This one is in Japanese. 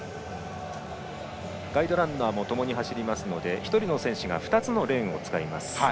ガイドランナーもともに走りますので１人の選手が２つのレーンを使います。